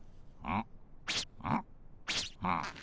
ん。